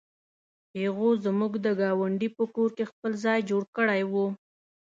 پيغو زموږ د ګاونډي په کور کې خپل ځای جوړ کړی و.